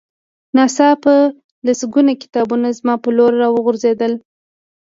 ناڅاپه په لسګونه کتابونه زما په لور را وغورځېدل